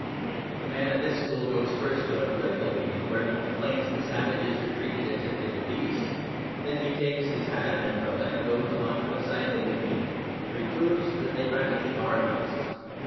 The man of this school goes first to a political meeting, where he complains that savages are treated as if they were beasts; then he takes his hat and umbrella and goes on to a scientific meeting, where he proves that they practically are beasts.